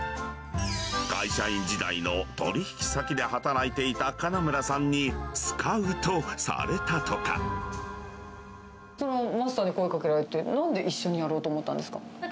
会社員時代の取り引き先で働いていた金村さんにスカウトされたとマスターに声かけられて、なんで一緒にやろうと思ったんですか？